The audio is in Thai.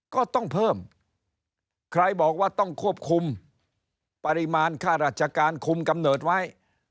ก็ต้องเพิ่มใครบอกว่าต้องควบคุมปริมาณค่าราชการคุมกำเนิดไว้